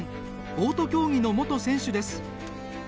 ボート競技の元選手です。